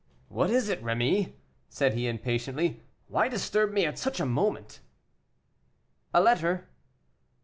"What is it, Rémy?" said he impatiently. "Why disturb me at such a moment?" "A letter."